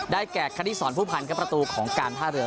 ได้แก่คณิตศรผู้ผันกับประตูของการท่าเรือ